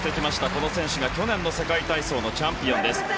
この選手が去年の世界体操のチャンピオンです。